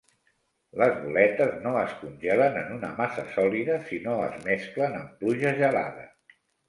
Les boletes no es congelen en una massa sòlida si no es mesclen amb pluja gelada.